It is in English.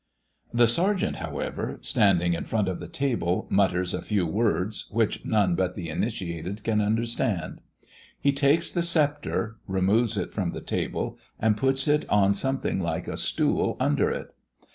The Sergeant, however, standing in front of the table, mutters a few words, which none but the initiated can understand. He takes the sceptre, removes it from the table, and puts it on something like a stool under it.